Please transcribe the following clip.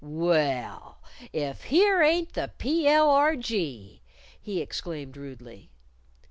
"Well, if here ain't the P.L.R.G.," he exclaimed rudely.